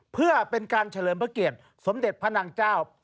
เพื่อเป็นการเฉลิมเผชิตสมเด็จพระนางเจ้า